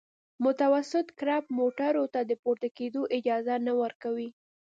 متوسط کرب موټرو ته د پورته کېدو اجازه نه ورکوي